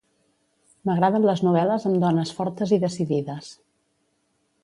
M'agraden les novel·les amb dones fortes i decidides.